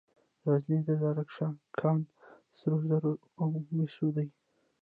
د غزني د زرکشان کان د سرو زرو او مسو دی.